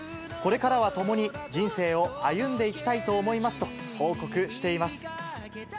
これからは共に人生を歩んでいきたいと思いますと報告しています。